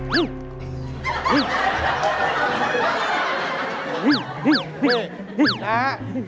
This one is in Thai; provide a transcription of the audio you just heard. เป็นไหม